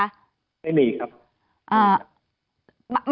ไม่มีครับ